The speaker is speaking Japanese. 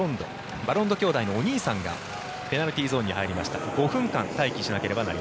バロンド兄弟のお兄さんがペナルティーゾーンに入りました。